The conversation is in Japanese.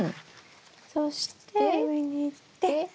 そして上にいってこれが。